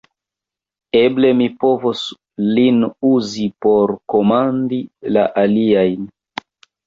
Eble mi povos lin uzi, por komandi la aliajn!